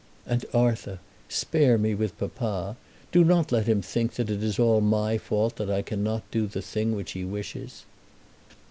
And, Arthur, spare me with papa. Do not let him think that it is all my fault that I cannot do the thing which he wishes."